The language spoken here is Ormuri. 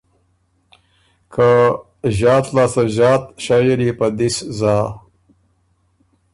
که ݫات لاسته ݫات شئ ال يې په دِس زا۔